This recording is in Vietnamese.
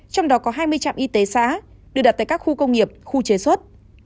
trong đó có hai mươi trạm y tế xã được đặt tại các khu công nghiệp khu chế xuất